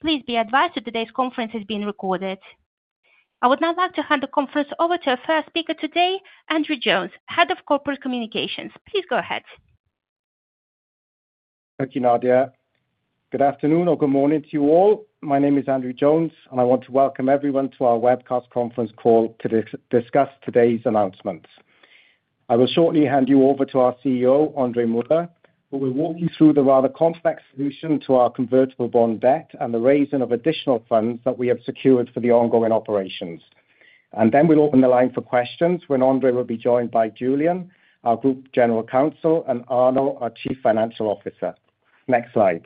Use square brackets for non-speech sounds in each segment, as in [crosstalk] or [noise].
Please be advised that today's conference is being recorded. I would now like to hand the conference over to our first speaker today, Andrew Jones, Head of Corporate Communications. Please go ahead. Thank you, Nadia. Good afternoon or good morning to you all. My name is Andrew Jones, and I want to welcome everyone to our Webcast Conference Call to discuss today's announcements. I will shortly hand you over to our CEO, André Muller, who will walk you through the rather complex solution to our convertible bond debt and the raising of additional funds that we have secured for the ongoing operations. And then we'll open the line for questions when André will be joined by Julien, our Group General Counsel, and Arno, our Chief Financial Officer. Next slide.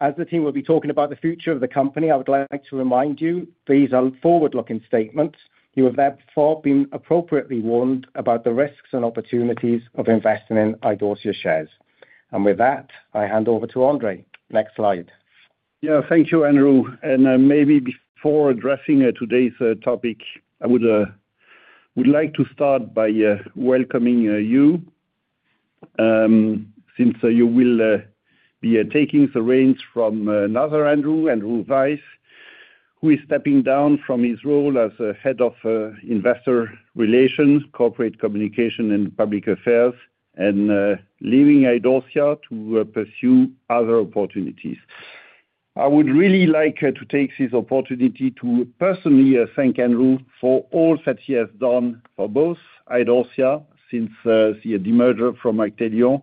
As the team will be talking about the future of the company, I would like to remind you, these are forward-looking statements. You have therefore been appropriately warned about the risks and opportunities of investing in Idorsia shares. And with that, I hand over to André. Next slide. Yeah, thank you, Andrew. Maybe before addressing today's topic, I would like to start by welcoming you, since you will be taking the reins from another Andrew, Andrew Weiss, who is stepping down from his role as Head of Investor Relations, Corporate Communications, and Public Affairs, and leaving Idorsia to pursue other opportunities. I would really like to take this opportunity to personally thank Andrew for all that he has done for both Idorsia since the merger from Actelion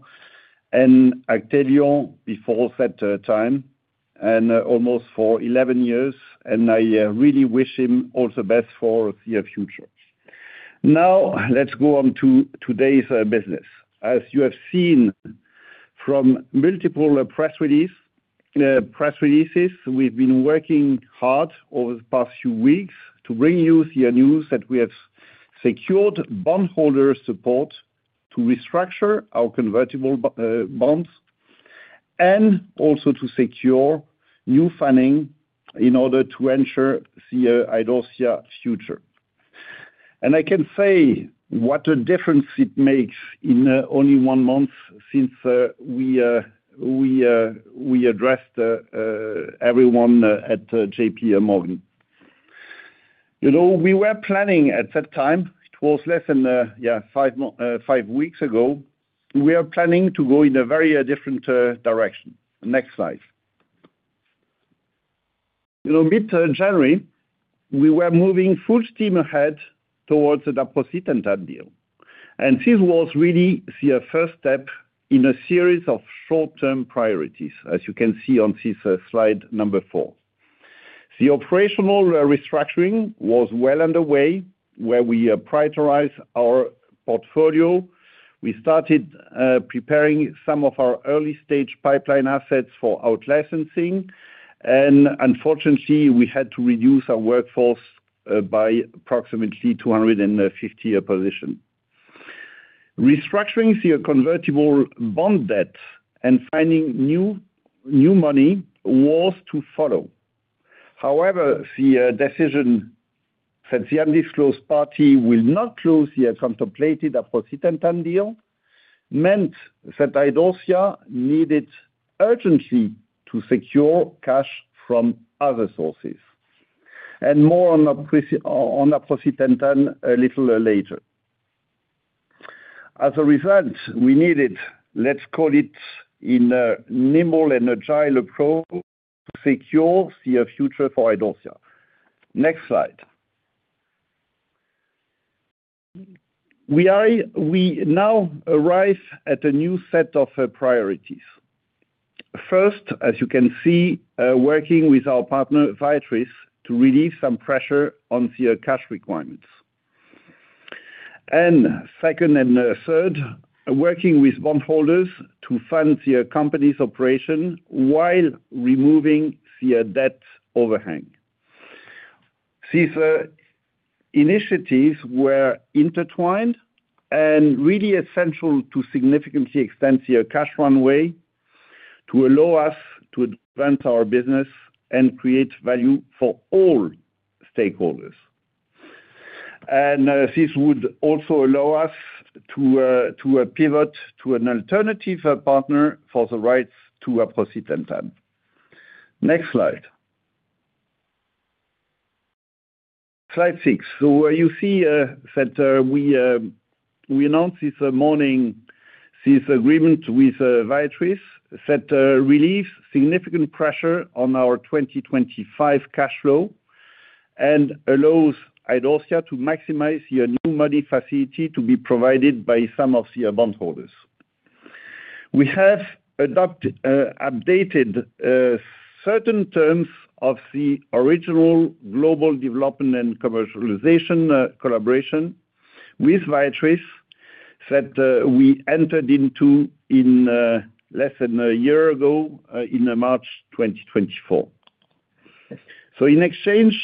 and Actelion before that time, and almost for 11 years. I really wish him all the best for the future. Now, let's go on to today's business. As you have seen from multiple press releases, we've been working hard over the past few weeks to bring you the news that we have secured bondholders' support to restructure our convertible bonds and also to secure new funding in order to ensure Idorsia's future. I can say what a difference it makes in only one month since we addressed everyone at JPMorgan. We were planning at that time, it was less than, yeah, five weeks ago, we were planning to go in a very different direction. Next slide. Mid-January, we were moving full steam ahead towards the aprocitentan deal. This was really the first step in a series of short-term priorities, as you can see on this slide number four. The operational restructuring was well underway, where we prioritized our portfolio. We started preparing some of our early-stage pipeline assets for out-licensing. And unfortunately, we had to reduce our workforce by approximately 250 positions. Restructuring the convertible bond debt and finding new money was to follow. However, the decision that the undisclosed party will not close the contemplated deal meant that Idorsia needed urgently to secure cash from other sources. And more on aprocitentan a little later. As a result, we needed, let's call it, in a nimble and agile approach, to secure the future for Idorsia. Next slide. We now arrive at a new set of priorities. First, as you can see, working with our partner, Viatris, to relieve some pressure on the cash requirements. And second and third, working with bondholders to fund the company's operation while removing the debt overhang. These initiatives were intertwined and really essential to significantly extend the cash runway to allow us to advance our business and create value for all stakeholders. This would also allow us to pivot to an alternative partner for the rights to aprocitentan. Next slide. Slide six. You see that we announced this morning this agreement with Viatris that relieves significant pressure on our 2025 cash flow and allows Idorsia to maximize the new money facility to be provided by some of the bondholders. We have updated certain terms of the original global development and commercialization collaboration with Viatris that we entered into less than a year ago, in March 2024. In exchange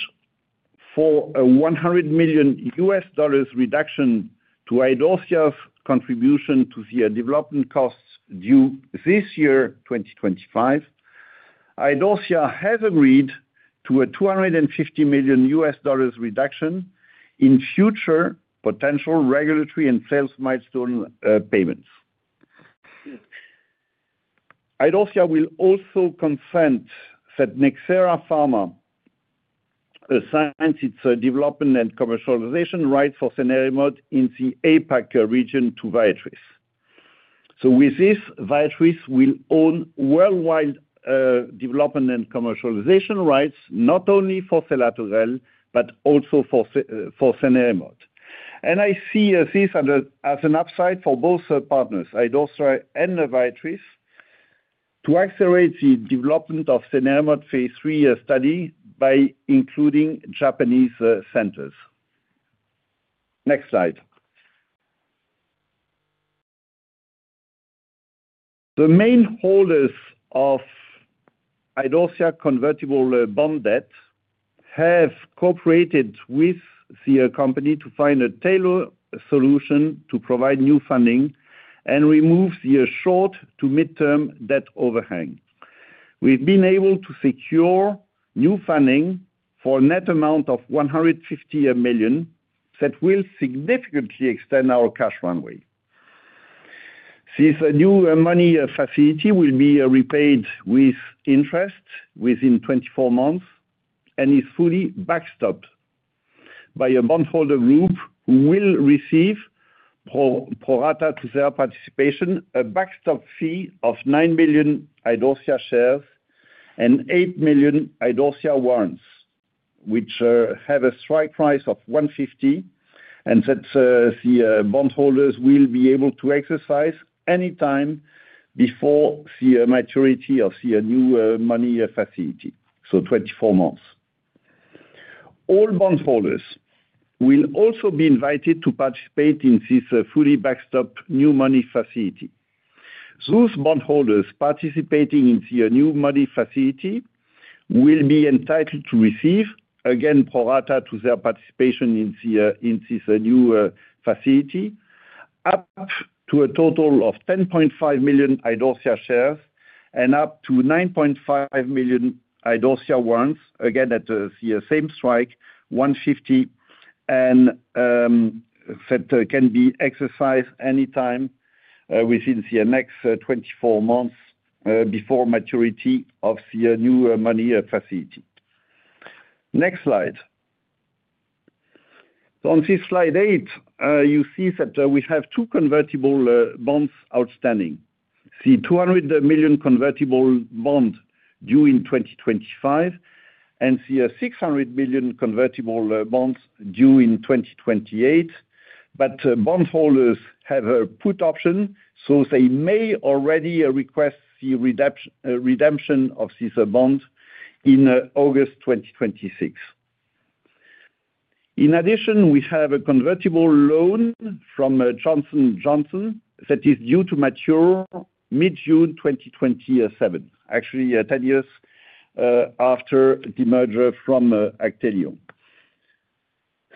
for a $100 million reduction to Idorsia's contribution to the development costs due this year, 2025, Idorsia has agreed to a $250 million reduction in future potential regulatory and sales milestone payments. Idorsia will also consent that Nxera Pharma assigns its development and commercialization rights for cenerimod in the APAC region to Viatris. So with this, Viatris will own worldwide development and commercialization rights, not only for selatogrel, but also for cenerimod. And I see this as an upside for both partners, Idorsia and Viatris, to accelerate the development of cenerimod phase III study by including Japanese centers. Next slide. The main holders of Idorsia convertible bond debt have cooperated with the company to find a tailored solution to provide new funding and remove the short to midterm debt overhang. We've been able to secure new funding for a net amount of 150 million that will significantly extend our cash runway. This new money facility will be repaid with interest within 24 months and is fully backstopped by a bondholder group who will receive pro rata to their participation a backstop fee of 9 million Idorsia shares and 8 million Idorsia warrants, which have a strike price of 150, and that the bondholders will be able to exercise any time before the maturity of the new money facility, so 24 months. All bondholders will also be invited to participate in this fully backstopped new money facility. Those bondholders participating in the new money facility will be entitled to receive, again, pro rata to their participation in this new facility, up to a total of 10.5 million Idorsia shares and up to 9.5 million Idorsia warrants, again, at the same strike, 150, and that can be exercised any time within the next 24 months before maturity of the new money facility. Next slide. On this slide eight, you see that we have two convertible bonds outstanding. The 200 million convertible bond due in 2025 and the 600 million convertible bonds due in 2028. But bondholders have a put option, so they may already request the redemption of these bonds in August 2026. In addition, we have a convertible loan from Johnson & Johnson that is due to mature mid-June 2027, actually 10 years after the merger from Actelion.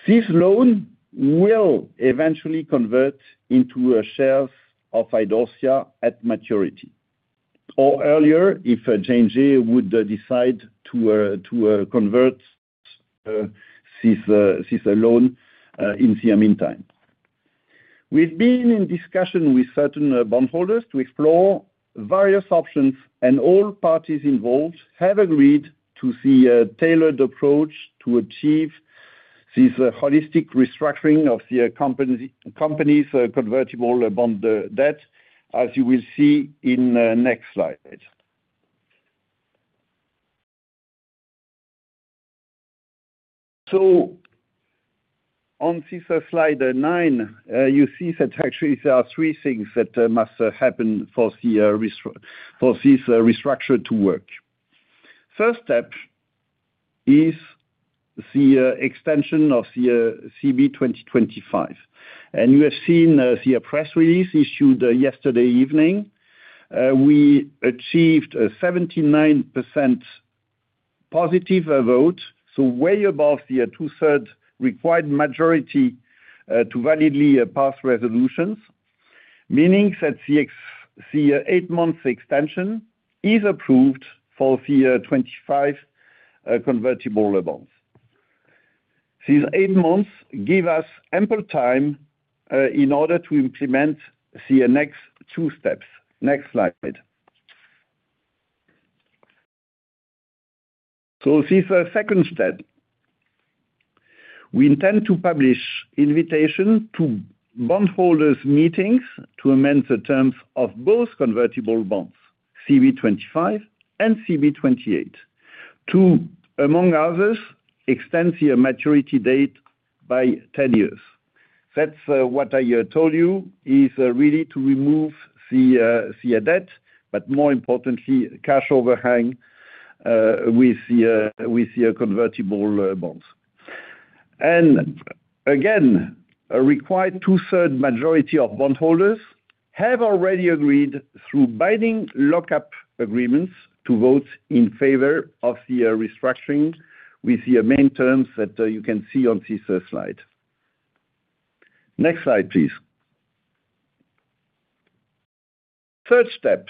This loan will eventually convert into shares of Idorsia at maturity, or earlier if J&J would decide to convert this loan in the meantime. We've been in discussion with certain bondholders to explore various options, and all parties involved have agreed to the tailored approach to achieve this holistic restructuring of the company's convertible bond debt, as you will see in the next slide. On this slide nine, you see that actually there are three things that must happen for this restructure to work. First step is the extension of the CB 2025. And you have seen the press release issued yesterday evening. We achieved a 79% positive vote, so way above the 2/3 required majority to validly pass resolutions, meaning that the eight-month extension is approved for the 2025 convertible bonds. These eight months give us ample time in order to implement the next two steps. Next slide. This second step, we intend to publish invitations to bondholders' meetings to amend the terms of both convertible bonds, CB 2025 and CB 2028, to, among others, extend the maturity date by 10 years. That's what I told you is really to remove the debt overhang with the convertible bonds. And again, a required two-thirds majority of bondholders have already agreed through binding lock-up agreements to vote in favor of the restructuring with the main terms that you can see on this slide. Next slide, please. Third step.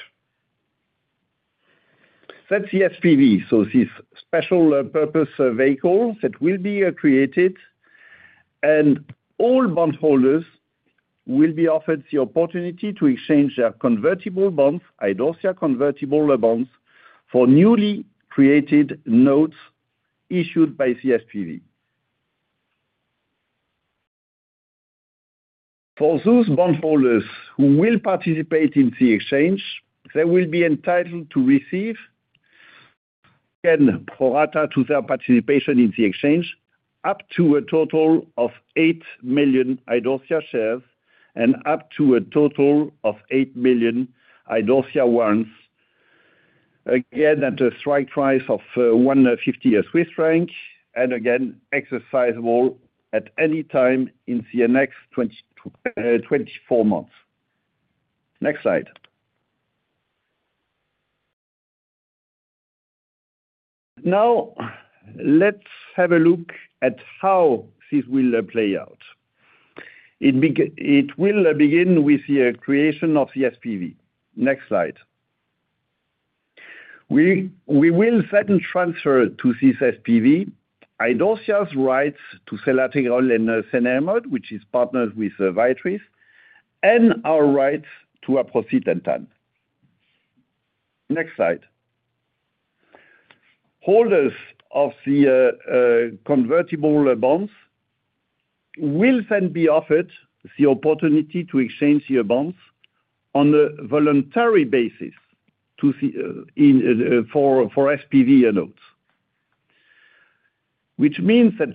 That's the SPV, so this special purpose vehicle that will be created. And all bondholders will be offered the opportunity to exchange their convertible bonds, Idorsia convertible bonds, for newly created notes issued by the SPV. For those bondholders who will participate in the exchange, they will be entitled to receive again, pro rata to their participation in the exchange, up to a total of eight million Idorsia shares and up to a total of eight million Idorsia warrants, again, at a strike price of 150, and again, exercisable at any time in the next 24 months. Next slide. Now, let's have a look at how this will play out. It will begin with the creation of the SPV. Next slide. We will then transfer to this SPV Idorsia's rights to selatogrel and cenerimod, which is partnered with Viatris, and our rights to aprocitentan. Next slide. Holders of the convertible bonds will then be offered the opportunity to exchange their bonds on a voluntary basis for SPV notes, which means that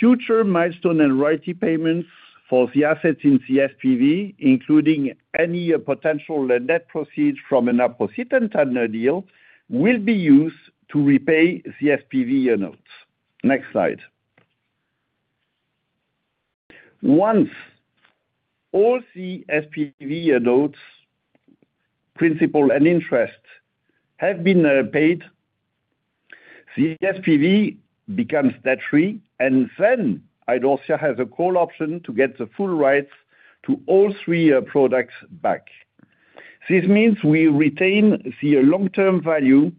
future milestone and royalty payments for the assets in the SPV, including any potential debt proceeds from an aprocitentan deal, will be used to repay the SPV notes. Next slide. Once all the SPV notes, principal, and interest have been paid, the SPV becomes debt-free, and then Idorsia has a call option to get the full rights to all three products back. This means we retain the long-term value,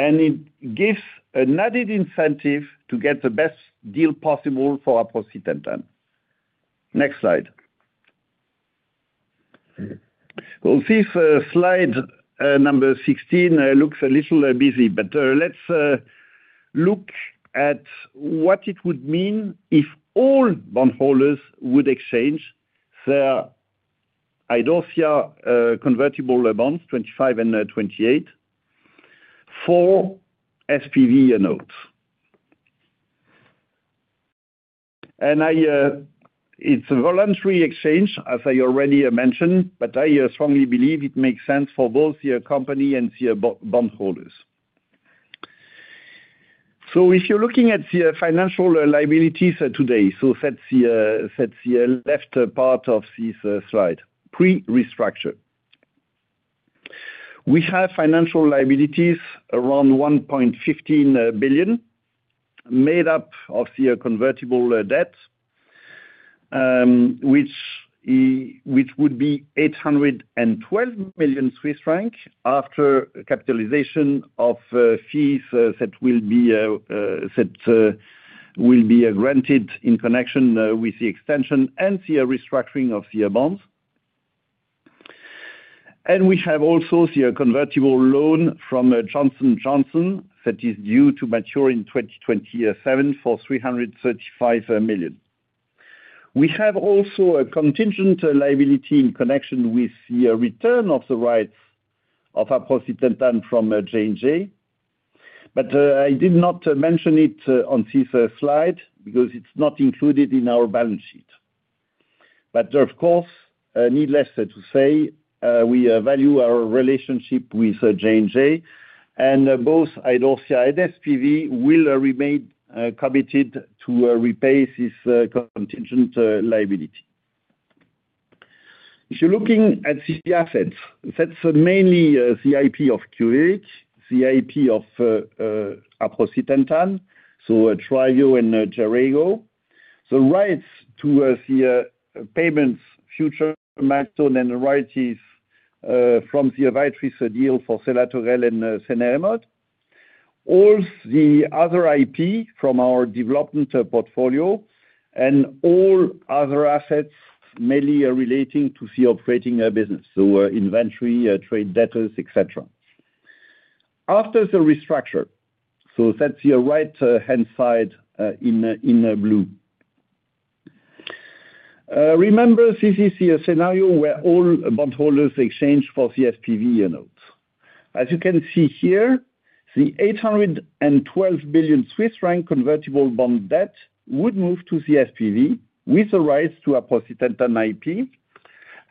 and it gives an added incentive to get the best deal possible for aprocitentan. Next slide. This slide number 16 looks a little busy, but let's look at what it would mean if all bondholders would exchange their Idorsia convertible bonds, 2025 and 2028, for SPV notes. It's a voluntary exchange, as I already mentioned, but I strongly believe it makes sense for both the company and the bondholders. If you're looking at the financial liabilities today, that's the left part of this slide, pre-restructure. We have financial liabilities around 1.15 billion made up of the convertible debt, which would be 812 million Swiss franc after capitalization of fees that will be granted in connection with the extension and the restructuring of the bonds. We have also the convertible loan from Johnson & Johnson that is due to mature in 2027 for 335 million. We have also a contingent liability in connection with the return of the rights of aprocitentan from J&J, but I did not mention it on this slide because it's not included in our balance sheet. But of course, needless to say, we value our relationship with J&J, and both Idorsia and SPV will remain committed to repay this contingent liability. If you're looking at the assets, that's mainly the IP of QUVIVIQ, the IP of aprocitentan, so TRYVIO and JERAYGO, the rights to the payments, future milestone, and royalties from the Viatris deal for selatogrel and cenerimod, all the other IP from our development portfolio, and all other assets mainly relating to the operating business, so inventory, trade letters, etc. After the restructure, so that's the right-hand side in blue. Remember, this is a scenario where all bondholders exchange for the SPV notes. As you can see here, the 812 million Swiss franc convertible bond debt would move to the SPV with the rights to aprocitentan IP,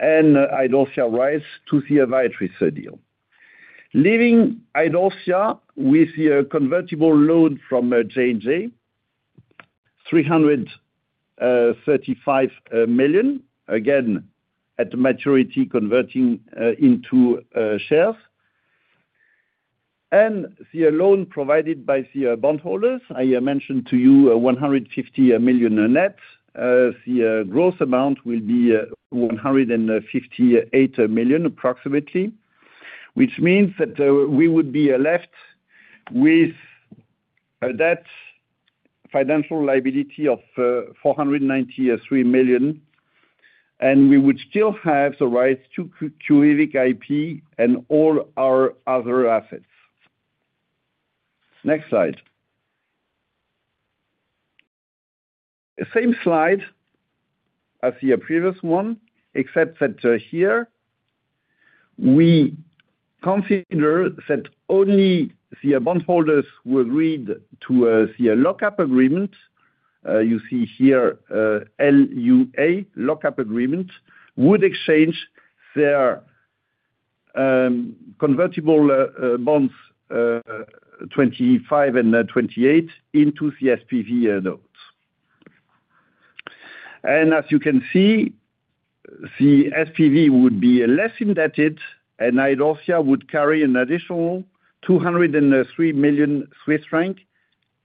and Idorsia rights to the Viatris deal, leaving Idorsia with the convertible loan from J&J, 335 million, again, at the maturity converting into shares, and the loan provided by the bondholders, I mentioned to you, 150 million net, the gross amount will be 158 million approximately, which means that we would be left with a debt financial liability of 493 million, and we would still have the rights to QUVIVIQ IP and all our other assets. Next slide. Same slide as the previous one, except that here, we consider that only the bondholders who agreed to the lock-up agreement, you see here, LUA lock-up agreement, would exchange their convertible bonds 2025 and 2028 into the SPV notes. And as you can see, the SPV would be less indebted, and Idorsia would carry an additional 203 million Swiss francs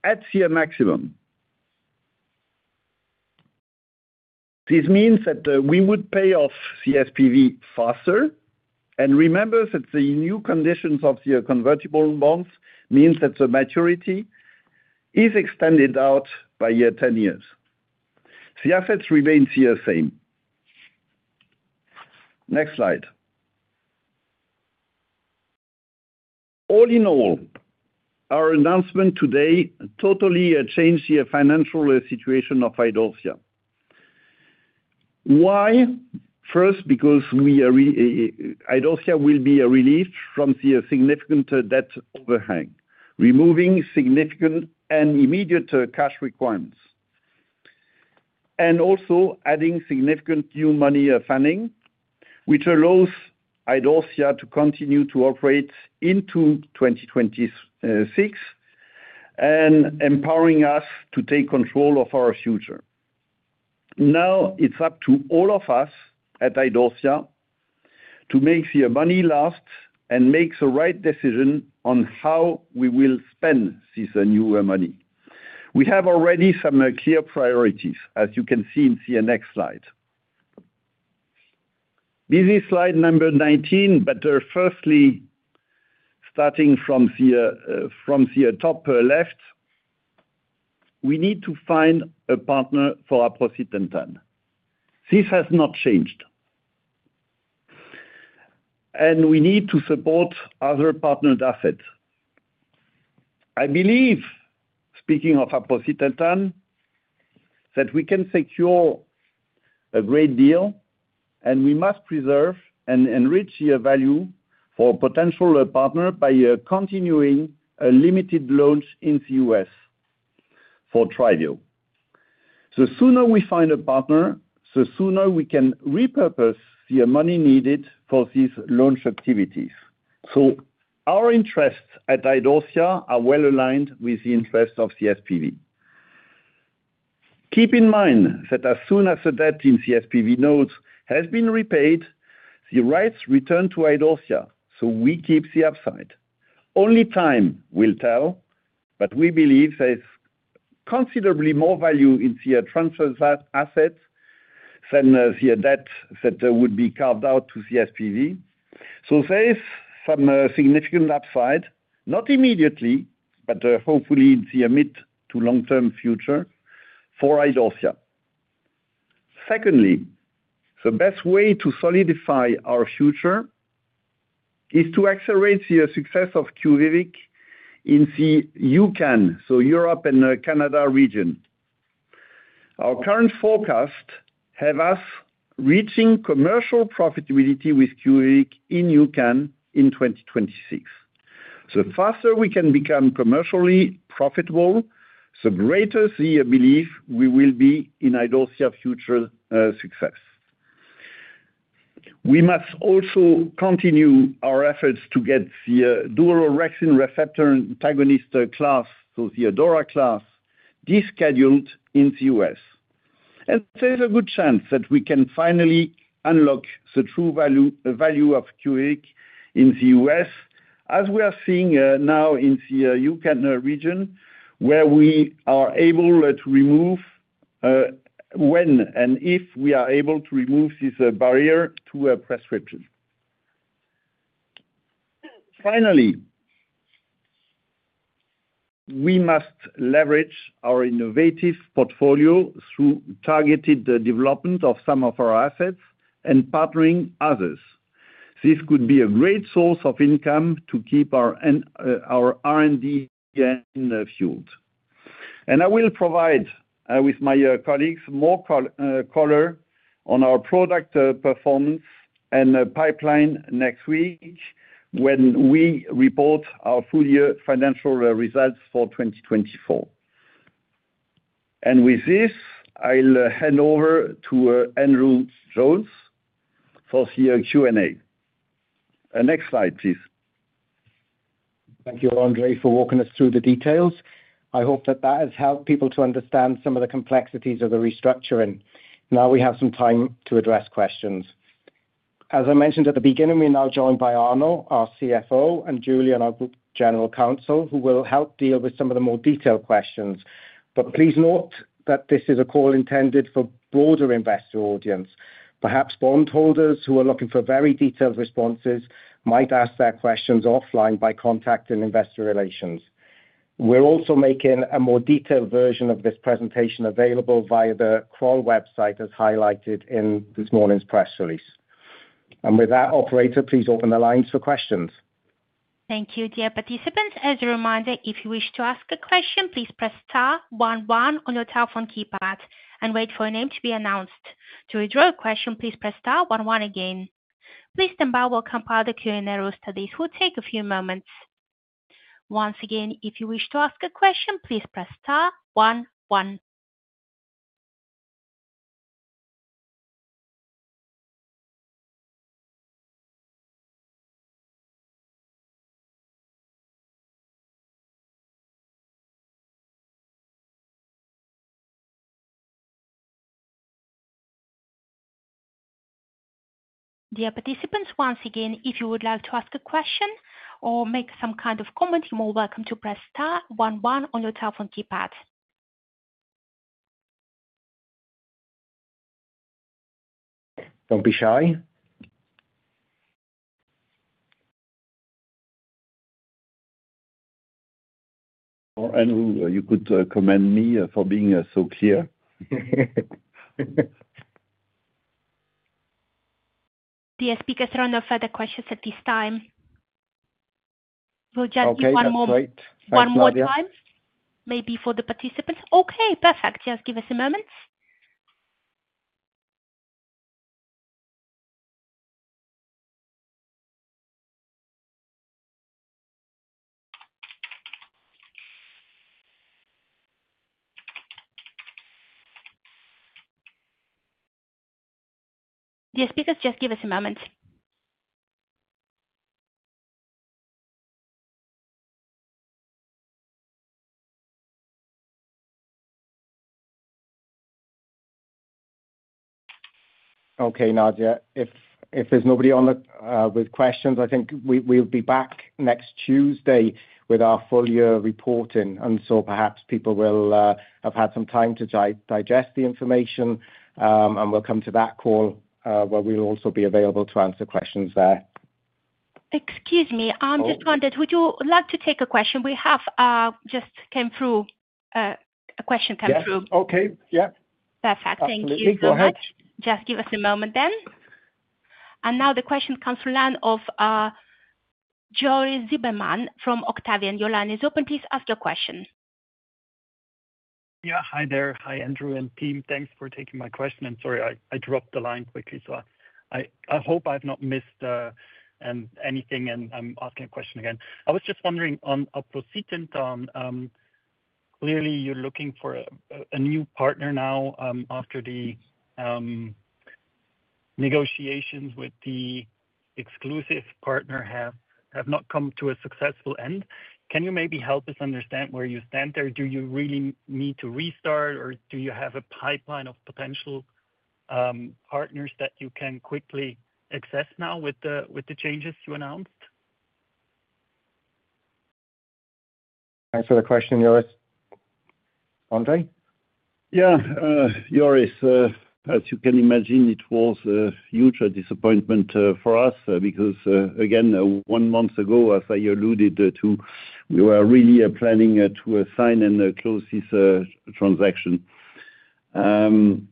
at their maximum. This means that we would pay off the SPV faster, and remember that the new conditions of the convertible bonds mean that the maturity is extended out by 10 years. The assets remain the same. Next slide. All in all, our announcement today totally changed the financial situation of Idorsia. Why? First, because Idorsia will be relieved from the significant debt overhang, removing significant and immediate cash requirements, and also adding significant new money funding, which allows Idorsia to continue to operate into 2026 and empowering us to take control of our future. Now, it's up to all of us at Idorsia to make the money last and make the right decision on how we will spend this new money. We have already some clear priorities, as you can see in the next slide. This is slide number 19, but firstly, starting from the top left, we need to find a partner for aprocitentan. This has not changed, and we need to support other partnered assets. I believe, speaking of aprocitentan, that we can secure a great deal, and we must preserve and enrich the value for a potential partner by continuing limited launch activities in the U.S. for TRYVIO. The sooner we find a partner, the sooner we can repurpose the money needed for these launch activities, so our interests at Idorsia are well aligned with the interests of the SPV. Keep in mind that as soon as the debt in the SPV notes has been repaid, the rights return to Idorsia, so we keep the upside. Only time will tell, but we believe there's considerably more value in the transferred assets than the debt that would be carved out to the SPV. So, there's some significant upside, not immediately, but hopefully in the mid to long-term future for Idorsia. Secondly, the best way to solidify our future is to accelerate the success of QUVIVIQ in the EUCAN, so Europe and Canada region. Our current forecasts have us reaching commercial profitability with QUVIVIQ in EUCAN in 2026. The faster we can become commercially profitable, the greater the belief we will be in Idorsia's future success. We must also continue our efforts to get the dual orexin receptor antagonist class, so the DORA class, discarded in the US. And there's a good chance that we can finally unlock the true value of QUVIVIQ in the U.S., as we are seeing now in the EUCAN region, where we are able to remove, when and if we are able to remove, this barrier to a prescription. Finally, we must leverage our innovative portfolio through targeted development of some of our assets and partnering others. This could be a great source of income to keep our R&D fueled. And I will provide with my colleagues more color on our product performance and pipeline next week when we report our full year financial results for 2024. And with this, I'll hand over to Andrew Jones for the Q&A. Next slide, please. Thank you, André, for walking us through the details. I hope that that has helped people to understand some of the complexities of the restructuring. Now we have some time to address questions. As I mentioned at the beginning, we're now joined by Arno, our CFO, and Julien, our Group General Counsel, who will help deal with some of the more detailed questions. But please note that this is a call intended for a broader investor audience. Perhaps bondholders who are looking for very detailed responses might ask their questions offline by contacting investor relations. We're also making a more detailed version of this presentation available via the Idorsia website, as highlighted in this morning's press release. And with that, operator, please open the lines for questions. Thank you, dear participants. As a reminder, if you wish to ask a question, please press star one one on your telephone keypad and wait for your name to be announced. To withdraw a question, please press star one one again. Please stand by while we compile the Q&A queue. This will take a few moments. Once again, if you wish to ask a question, please press star one one. Dear participants, once again, if you would like to ask a question or make some kind of comment, you are most welcome to press star one one on your telephone keypad. Don't be shy. Or Andrew, you could commend me for being so clear. Dear speakers, there are no further questions at this time. We'll just give it [crosstalk] one more time, maybe for the participants. Okay, perfect. Just give us a moment. Dear speakers, just give us a moment. Okay, Nadia, if there's nobody on the line with questions, I think we'll be back next Tuesday with our full year reporting, and so perhaps people will have had some time to digest the information, and we'll come to that call where we'll also be available to answer questions there. Excuse me, I just wondered, would you like to take a question? We have just got a question come through. Yes. Okay. Yeah. Perfect. Thank you so much. Just give us a moment then. And now the question comes from the line of Joris Zimmermann from Octavian. Your line is open. Please ask your question. Yeah. Hi there. Hi, Andrew and team. Thanks for taking my question. And sorry, I dropped the line quickly, so I hope I've not missed anything and I'm asking a question again. I was just wondering on aprocitentan, clearly you're looking for a new partner now after the negotiations with the exclusive partner have not come to a successful end. Can you maybe help us understand where you stand there? Do you really need to restart, or do you have a pipeline of potential partners that you can quickly access now with the changes you announced? Thanks for the question, Joris. André? Yeah. Joris, as you can imagine, it was a huge disappointment for us because, again, one month ago, as I alluded to, we were really planning to sign and close this transaction. And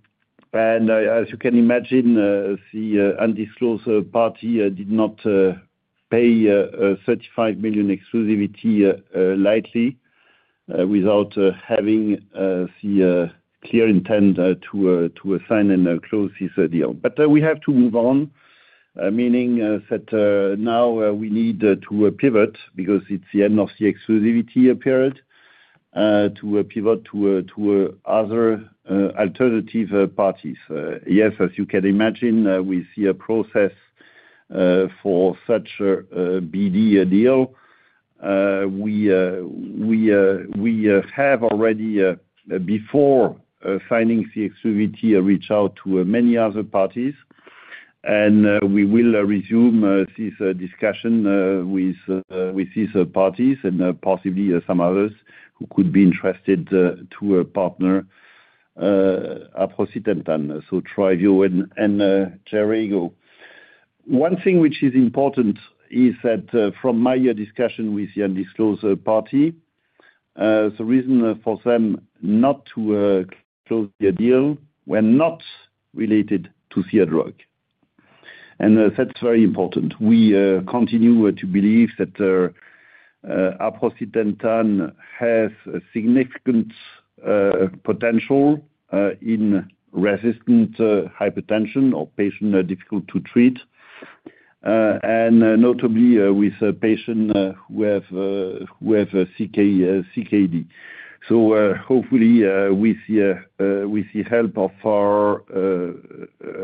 as you can imagine, the undisclosed party did not pay a 35 million exclusivity lightly without having the clear intent to sign and close this deal. But we have to move on, meaning that now we need to pivot because it's the end of the exclusivity period, to pivot to other alternative parties. Yes, as you can imagine, we see a process for such a BD deal. We have already, before signing the exclusivity, reached out to many other parties, and we will resume this discussion with these parties and possibly some others who could be interested to partner aprocitentan. So, TRYVIO and JERAYGO. One thing which is important is that from my discussion with the undisclosed party, the reason for them not to close the deal were not related to the drug. And that's very important. We continue to believe that aprocitentan has a significant potential in resistant hypertension or patient difficult to treat, and notably with patients who have CKD. So hopefully, with the help of our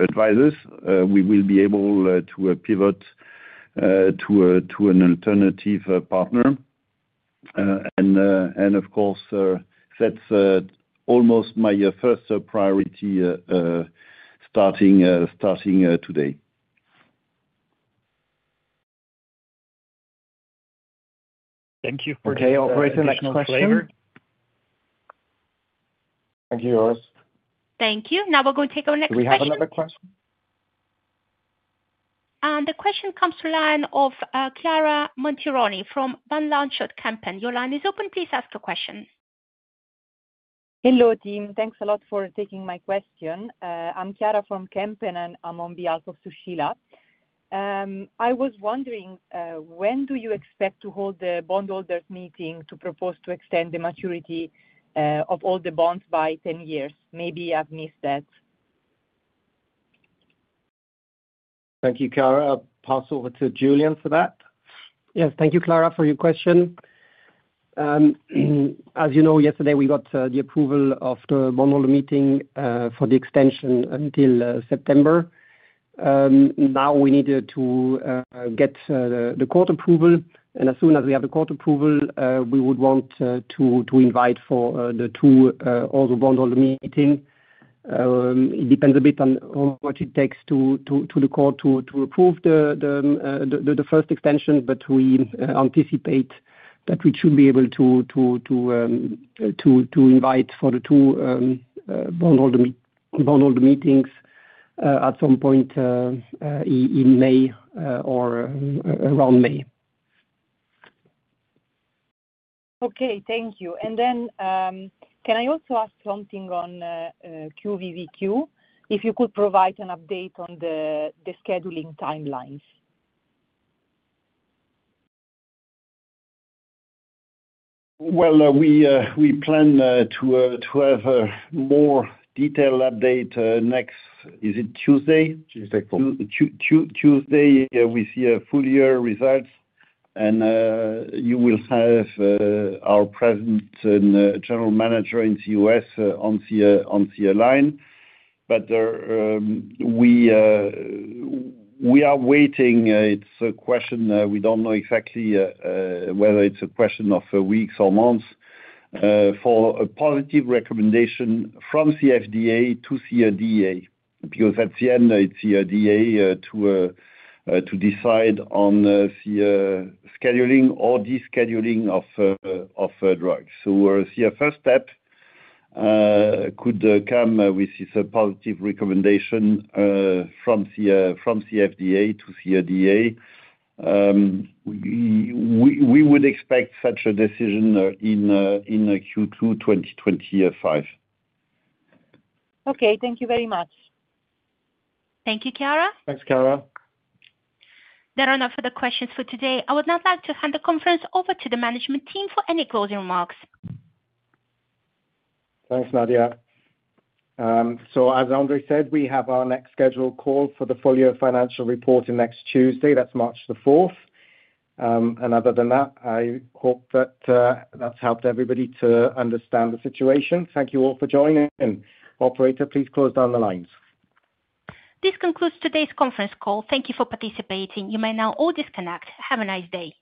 advisors, we will be able to pivot to an alternative partner. And of course, that's almost my first priority starting today. Thank you for the question. Thank you, Joris. Thank you. Now we're going to take our next question. Do we have another question? The question comes from the line of Chiara Montironi from Van Lanschot Kempen. Your line is open. Please ask your question. Hello, team. Thanks a lot for taking my question. I'm Chiara from Kempen, and I'm on behalf of Van Lanschot. I was wondering, when do you expect to hold the bondholders' meeting to propose to extend the maturity of all the bonds by 10 years? Maybe I've missed that. Thank you, Chiara. I'll pass over to Julien for that. Yes. Thank you, Chiara, for your question. As you know, yesterday, we got the approval of the bondholder meeting for the extension until September. Now, we need to get the court approval. And as soon as we have the court approval, we would want to invite for the two other bondholder meetings. It depends a bit on how much it takes to the court to approve the first extension, but we anticipate that we should be able to invite for the two bondholder meetings at some point in May or around May. Okay. Thank you. And then can I also ask something on QUVIVIQ? If you could provide an update on the scheduling timelines? Well, we plan to have a more detailed update next. Is it Tuesday? Tuesday. Tuesday, we see a full year results, and you will have our President and General Manager in the U.S. on the line. But we are waiting. It's a question. We don't know exactly whether it's a question of weeks or months for a positive recommendation from the FDA to the DA, because at the end, it's the DA to decide on the scheduling or the scheduling of drugs. So the first step could come with a positive recommendation from the FDA to the DA. We would expect such a decision in Q2 2025. Okay. Thank you very much. Thank you, Chiara. Thanks, Chiara. There are no further questions for today. I would now like to hand the conference over to the management team for any closing remarks. Thanks, Nadia. So as André said, we have our next scheduled call for the full-year financial reporting next Tuesday. That's March the 4th, and other than that, I hope that that's helped everybody to understand the situation. Thank you all for joining. Operator, please close down the lines. This concludes today's conference call. Thank you for participating. You may now all disconnect. Have a nice day.